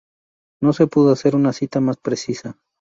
No se pudo hacer una cita más precisa.